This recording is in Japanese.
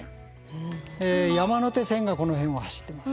山手線がこの辺を走ってます。